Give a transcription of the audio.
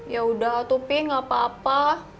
yaudah tupi nggak apa apa